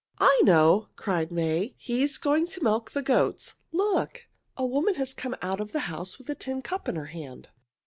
"I know!" cried May. "He is going to milk the goats. Look! A woman has come out of the house with a tin cup in her hand."